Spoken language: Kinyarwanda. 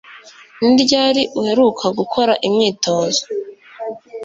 Ni ryari uheruka gukora imyitozo